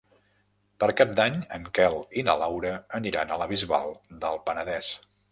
Per Cap d'Any en Quel i na Laura aniran a la Bisbal del Penedès.